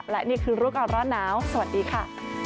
และนี่คือรู้ก่อนร้อนหนาวสวัสดีค่ะ